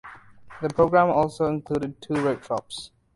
The program also included two workshops.